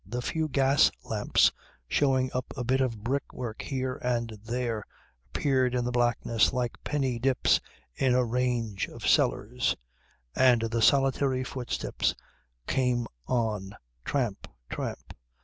The few gas lamps showing up a bit of brick work here and there, appeared in the blackness like penny dips in a range of cellars and the solitary footsteps came on, tramp, tramp.